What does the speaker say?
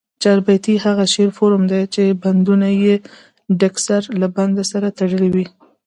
چاربیتې هغه شعري فورم دي، چي بندونه ئې دکسر له بند سره تړلي وي.